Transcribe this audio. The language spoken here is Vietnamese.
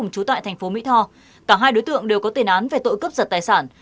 cả hai đối tượng đều có tên án về tội cướp giật tài sản